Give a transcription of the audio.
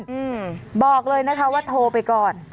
อืมบอกเลยนะคะว่าโทรไปก่อน